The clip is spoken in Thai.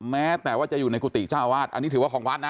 แม้แต่ว่าจะอยู่ในกุฏิเจ้าอาวาสอันนี้ถือว่าของวัดนะ